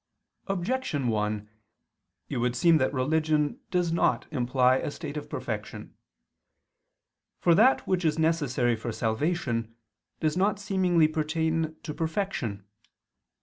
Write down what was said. Objection 1: It would seem that religion does not imply a state of perfection. For that which is necessary for salvation does not seemingly pertain to perfection.